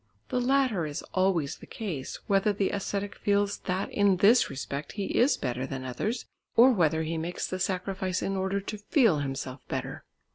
The latter is always the case, whether the ascetic feels that in this respect he is better than others, or whether he makes the sacrifice in order to feel himself better.